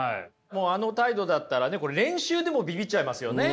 もうあの態度だったらねこれ練習でもビビっちゃいますよね。